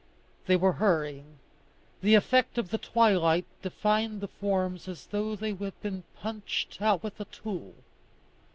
They were hurrying. The effect of the twilight defined the forms as though they had been punched out with a tool.